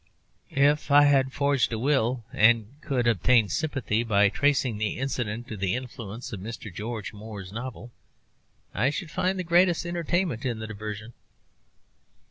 If I had forged a will, and could obtain sympathy by tracing the incident to the influence of Mr. George Moore's novels, I should find the greatest entertainment in the diversion.